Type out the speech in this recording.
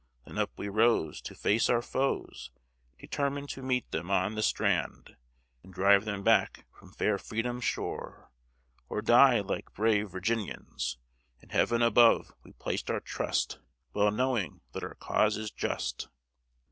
Then up we rose to face our foes, Determined to meet them on the strand, And drive them back from fair Freedom's shore, Or die like brave Virginians. In Heaven above we placed our trust, Well knowing that our cause is just.